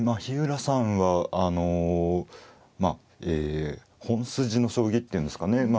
日浦さんは本筋の将棋っていうんですかね。